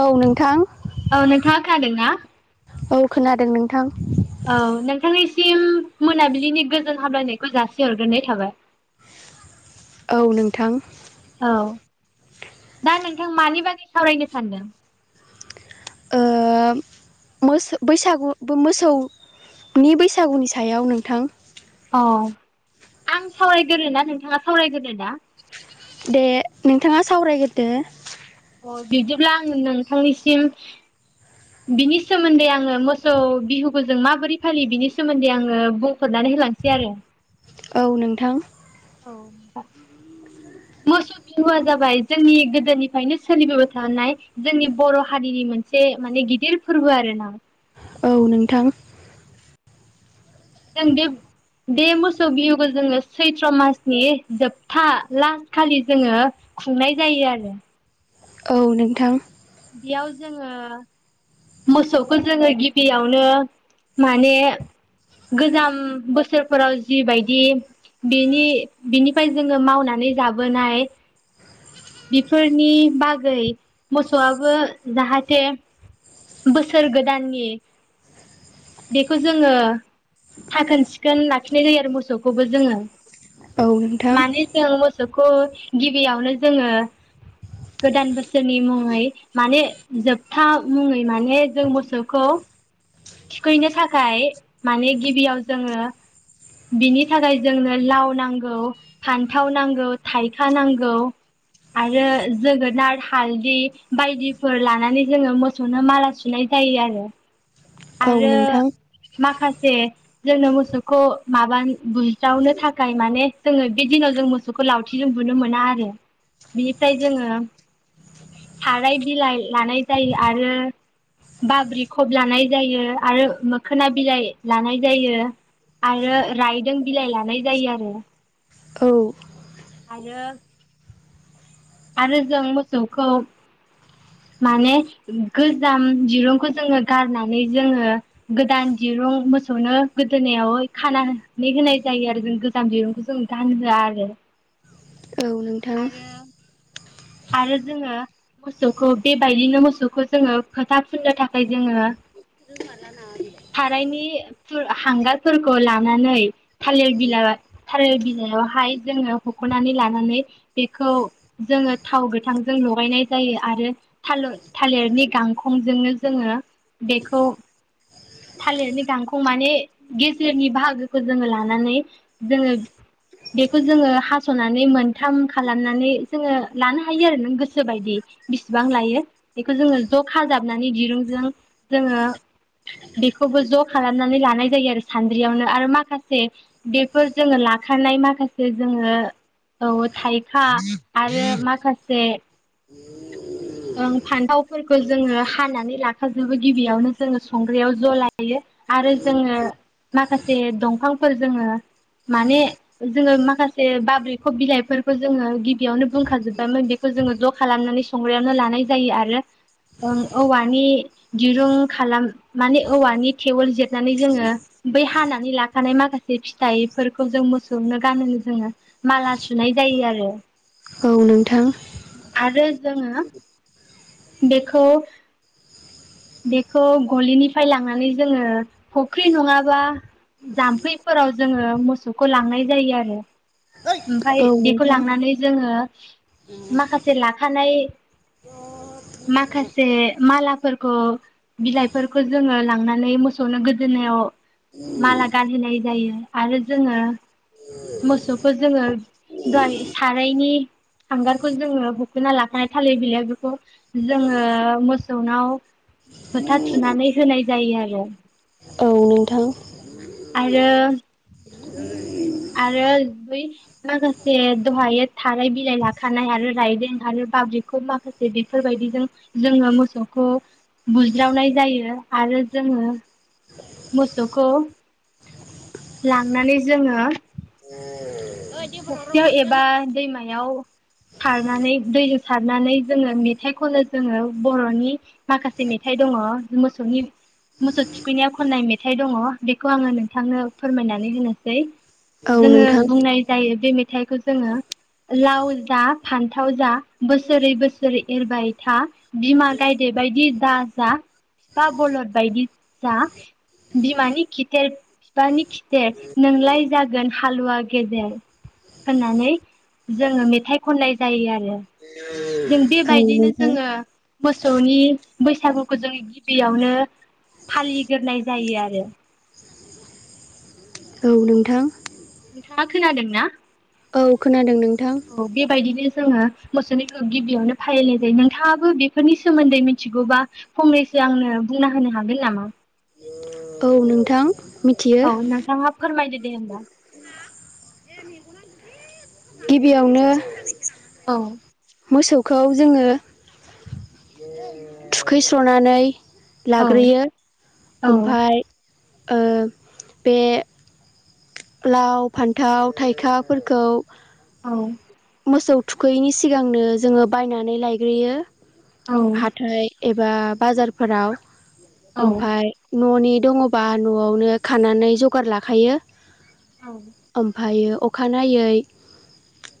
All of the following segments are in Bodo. औ नोंथां। औ नोंथाङा खोनादों ना? औ खोनादों नोंथां। औ नोंथांनिसिम मोनाबिलिनि गोजोन हामलायनायखौ जासि हरग्रोनाय थाबाय। औ नोंथां। औ, दा नोंथां मानि बागै सावरायनो सानदों? ओ मोसो बैसागु बो मोसौ नि बैसागुनि सायाव नोंथां अ आं सावरायग्रोनो नोंथाङा सावरायग्रोनो दा? दे नोंथाङा सावरायग्रोदो। अ बिदिब्ला आं नोंथांनिसिम बिनि सोमोन्दै आङो मोसौ बिहुखौ जों माबोरै फालियो बिनि सोमोन्दै आङो बुंफोरनानै होलांसै आरो। औ नोंथां। मोस बिहुआ जाबाय जोंनि गोदोनिफ्रायनो सोलिबोबाय थानाय जोंनि बर' हारिनि मोन से माने गिदिर फोरबो आरोना। औ नोंथां। [unintelligible] बे मोसौ बिहुखौ जोङो सैथ्र' मासनि जोबथा लास्ट खालि जोङो खुंनाय जायो आरो। औ नोंथांय बेयाव जोङो मोसौखौ जोङो गिबियावनो माने गोजाम बोसोरफोराव जिबायदि बेनि बिनिफ्राय जोङो मावनानै जाबोनाय बेफोरनि बागै मोसौआबो जाहाथे बोसोर गोदाननि बेखौ जोङो साखोन सिखोन लाखिनाय जायो आरो मोसौखौबो जोङो औ नोंथां माने जों मोसौखौ गिबियावनो जोङो गोदान बोसोरनि मुङै माने जोबथा मुङै माने जों मोसौखौ थुखैनो थाखाय माने गिबियाव जोङो बिनि थाखाय जोंनो लाव नांगौ फान्थाव नांगौ, थाइखा नांगौ आरो जोगोनार हालदि बायदिफोर लानानै जोङो मोसौ सौनो माला सुनाय जायो आरो। औ आरो नोंथां माखासे जोंनो मोसौखौ माबान बुज्रावनो थाखाय माने जोङो बे दिनाव जों मोसौ सौखौ लावथिजों बुनो मोना आरो बिनिफ्राय जोङो थाराय बिलाइ लानाय जायो आरो बाब्रि खब लानाय जायो आरो मोखोना बिलाइ लानाय जायो आरो रायदों बिलाइ लानाय जायो आरो। औ आरो आरो जों मोसौखौ माने गोजाम दिरुंखौ जोङो गारनानै जोङो गोदान दिरुं मोसौनो गोदोनायाव खानानै होनाय जायो आरो जों गोजाम दिरुंखौ जों गानहोआ आरो औ नों आरो आरो जोङो मोसौखौ बेबायदिनो मोसौखौ जोङो फोथा फुननो थाखाय जोङो [unintelligible] मला ना बेलाइ सारायनि फु हांगारफोरखौ लानानै थालिर बिलाइ थालिर बिलाइयावहाय जोङो हख'नानै लानानै बेखौ जोङो थाव गोथांजों लगायनाय जायो आरो थाल थालिरनि गांखंजोंनो जोङो बेखौ थालिरनि गांखं माने गेजेरनि बाहागोखौ जोङो लानानै जोङो बेखौ जोङो हास'नानै मोनथाम खालामनानै जोङो लानो हायो आरो नों गोसो बायदि। बिसिबां लायो बेखौ जोङो ज' खाजाबनानै दिरुंजों जोङो बेखौबो ज' खालामनानै लानाय जायो आरो सान्द्रियावनो आरो माखासे बेफोर जोङो लाखानाय माखासे जोङो औ थाइखा आरो माखासे ओ फान्थावफोरखौ जोङो हानानै लाखाजोबो गिबियावनो जोङो संग्रयाव ज' लायो। आरो जोङो माखासे दंफांफोर जोङो माने जोङो माखासे बाब्रैख बिलाइफोरखौ जोङो गिबियावनो बुंखाजोब्बायमोन बेखौ जोङो ज' खालामनानै सङो ्रनो लानाय जायो आरो ओं औवानि दिरुं खालाम माने औवानि टेवोल जे नानै जोङो बै हानानै लाखानाय माखासे फिथाइफोरखौ जों मोसौनो गानहोनो जोङो माला सुनाय जायो आरो। औ नोंथां। आरो जोङो बेखौ बेखौ गलिनिफ्राय लांनानै जोङो फुख्रि नङाबा जाम्फैफोराव जोङो मोसौखौ लांनाय जायो आरो। ओमफ्राय औ बेखौ नोंथां लांनानै जोङो माखासे लाखानाय माखासे मालाफोरखौ बिलाइफोरखौ जोङो लांनानै मोसौनो गोदोनायाव माला गानहोनाय जायो आरो जोङो मोसौखौ जोङो सारायनि हांगारखौ जोङो खोना लाखानाय थालिर बिलाइ बेखौ जोङो मोसौनाव फोथा थुनानै होनाय जायो आरो। औ नोंथां। आरो आरो बै लोगोसे दहायो थाराय बिलाइ लाखानाय आरो रायदों आरो बाब्रिकफ माखासे जे बेफोरबायदिजों जोङो मोसौखौ बुज्रावनाय जायो आरो जोङो मोसौखौ लांनानै जोङो [unintelligible] फख्रियाव एबा दैमायाव खारनानै दैजों सारनानै जोङो मेथाइ खनो जोङो बर'नि माखासे मेथाइ दङ मोसौनि मोसौ थुखैनाया खननाय मेथाइ दङ बेखौ आङो नोंथांनो फोरमायनानै होनोसै। औ जोङो नोंथां बुंनाय जायो बे मेथाइखौ जोङो लाव जा फान्थाव जा बोसोरै बोसोरै एरबाय था बिमा गायदे बायदि दा जा बिफा बलद बायदि जा‌ बिमानि खिथेर बिफानि खिथेर नोंलाय जागोन हालुवा गेदेर होननानै जोङो मेथाइ खननाय जायो आरो। जों औ बेबायदिनो नोंथां जोङो मोसौनि बैसागुखौ जोङो गिबियावनो फालिग्रोनाय जायो आरो। औ नोंथां। नोंथाङा खोनादों ना? औ खोनादों नोंथां। औ बेबायदिनो जोङो मोसौनिखौ गिबियावनो फालिनाय जायो। नोंथाङाबो बेफोरनि सोमोन्दै मिथिगौबा फंनैसो आंनो बुंना होनो हागोन नामा? औ नोंथां। मिथियो औ नोंथाङा फोरमायदो दे होमबा। [inaudible] गिबियावनो औ। मोसौखौ जोङो थुखैस्र'नानै औ लाग्रोयो। औ ओमफ्राय ओ बे लाव फान्थाव थाइखाफोरखौ औ। मोसौ थुखैनि सिगांनो जोङो बायनानै लायग्रोयो औ हाथाय एबा बाजारफोराव। औ ओमफ्राय न'नि दङबा न'आवनो खानानै जगार लाखायो। ओमफ्रायो अखानायै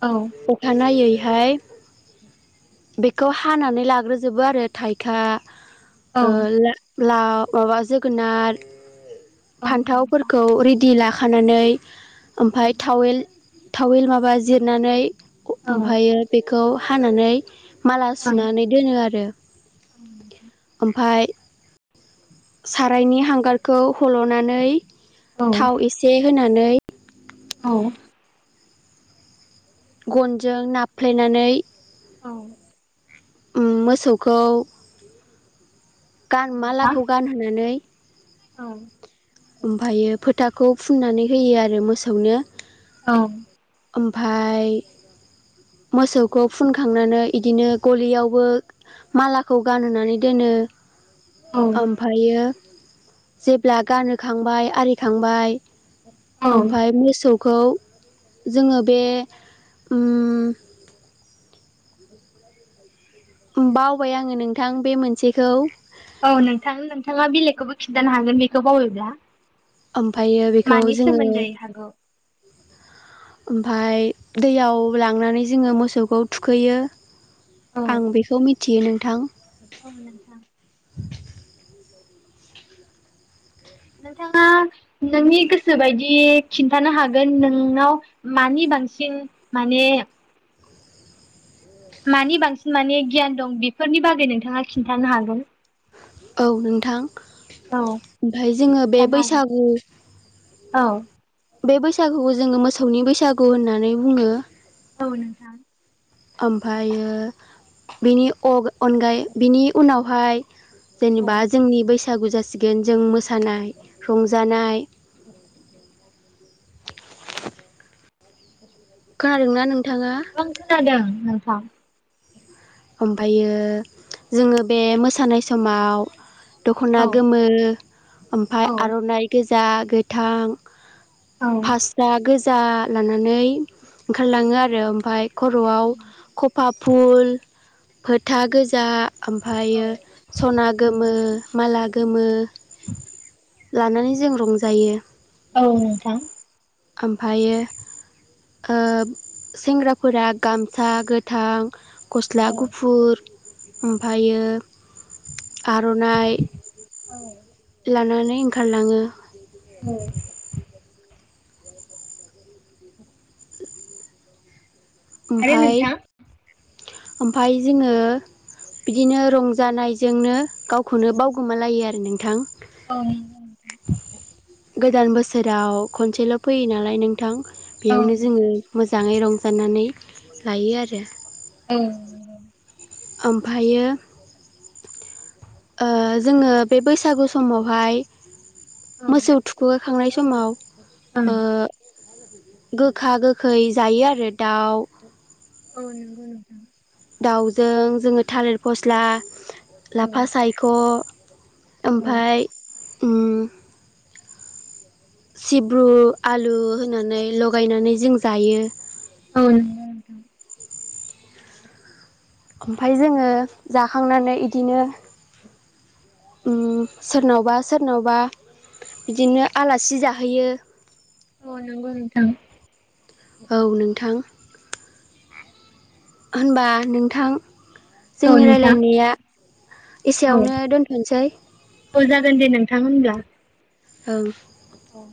औ। अखानायैहाय बेखौ हानानै ला ग्रोजोबो आरो थाइखा औ लाव माबा जोगोनार फान्थावफोरखौ रेडि लाखानानै ओमफ्राय थावेल थावेल माबा जिरनानै औ ओमफ्रायो बेखौ हानानै माला औ सुनानै दोनो आरो। [inaudible] ओमफाय सारायनि हांगारखौ हल'नानै औ थाव एसे होनानै औ गनजों नाफ्लेनानै औ मोसौखौ गान मालाखौ गानहोनानै औ ओमफ्रायो फोथाखौ फुननानै होयो आरो मोसौनो। औ। ओमफ्राय मोसौखौ फुनखांनानै इदिनो गलियावबो मालाखौ गानहोनानै दोनो। औ ओमफ्रायो जेब्ला गानहोखांबाय आरिखांबाय औ ओमफाय मोसौखौ जोङो बे ओम बावबाय आङो नोंथां बे मोनसेखौ। औ नोंथां, नोंथाङा बेलेगखौबो खिन्थानो हागोन बेखौ बावबायब्ला। ओमफ्रायो बेखौ मानि जोङो सोमोन्दै हागौ ओमफफ्राय दैयाव लांनानै जोङो मोसौखौ थुखैयो औ आं बेखौ मिथियो नोंथां औ नोंथां नोंथाङा नोंनि गोसो बायदि खिन्थानो हागोन नोंनाव मानि बांसिन माने मानि बांसिन माने गियान दं बेफोरनि बागै नोंथाङा खिन्थानो हागोन औ नोंथां औ ओमफ्राय जोङो बे खोन्थानो हागोन बैसागु औ बे बैसागुखौ जोङो मोसौनि बैसागु होननानै बुङो औ नोंथां ओमफ्रायो बिनि अनगायै बिनि उनावहाय औ जेनेबा जोंनि बैसागु जासिगोन जों मोसानाय रंजानाय खोनादों ना नोंथाङा औ खोनादों नोंथां ओमफ्रायो जोङो बे मोसानाय समाव दख'ना औ गोमो ओमफ्राय औ आर'नाइ गोजा गोथां औ फास्रा गोजा लानानै ओंखारलाङो आरो ओमफफ्राय खर'आव खफा फुल फोथा गोजा औ ओमफ्रायो सना गोमो माला गोमो लानानै जों रंजायो औ नोंथां ओमफ्रायो सेंग्राफोरा गामसा गोथां गस्ला औ गुफुर ओमफ्रायो आर'नाइ औ लानानै ओंखारलाङो औ आरो ओमफाय नोंथां ओमफ्राय जोङो बिदिनो रंजानायजोंनो गावखौनो बावगोमालायो आरो नोंथां औं गोदान बोसोराव खनसेल' फैयो नालाय नों गोथां बेयावनो जोङो नोंथां मोजाङै रंजानानै लायो आरो औ ओमफायो ओ जोङो बे बैसागु समावहाय औ मोसौ थुखैखांनाय समाव ओ गोखा गोखै जायो आरो दाउ अ नंगौ नोंथां दाउजों जोङो थालिर फस्ला औ ओं लाफा सायख' ओमफाय उम सिब्रु आलु होनानै लगायनानै जों जायो औ नोंथां ओमफ्राय जोङो जाखांनानै बिदिनो सोरनावबा सोरनावबा बिदिनो आलासि जाहैयो औ नोंगौ नोंथां औ नोंथां होनबा नोंथां औ जोंनि नोंथां रायलायनाया औ एसेयावनो दोनथ'नोसै औ जागोन दे नोंथां होनब्ला ओं औ